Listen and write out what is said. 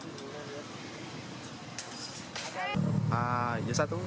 pembicara satu bekti dan kawan kawan yang tergabung dalam komunitas garuk sampah yang ditempel di sejumlah lokasi tempat